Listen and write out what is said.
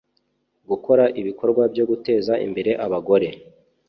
Gukora ibikorwa byo guteza imbere abagore